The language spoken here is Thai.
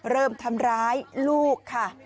เริ่มทำร้ายลูกค่ะ